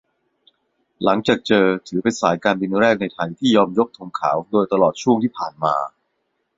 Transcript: หลังจากเจอ ถือเป็นสายการบินแรกในไทยที่ยอมยกธงขาว โดยตลอดช่วงที่ผ่านมา